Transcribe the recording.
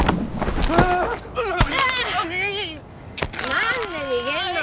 何で逃げんのよ